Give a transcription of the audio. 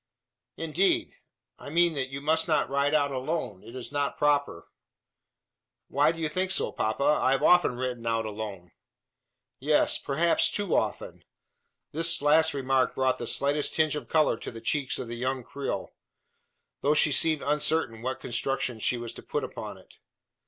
"Indeed!" "I mean, that you must not ride out alone. It is not proper." "Why do you think so, papa? I have often ridden out alone." "Yes; perhaps too often." This last remark brought the slightest tinge of colour to the cheeks of the young Creole; though she seemed uncertain what construction she was to put upon it.